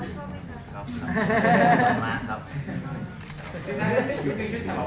ครับครับชอบมากครับ